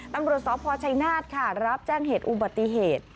ตำรวจสพชัยนาธค่ะรับแจ้งเหตุอุบัติเหตุ